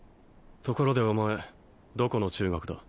ところでお前どこの中学だ？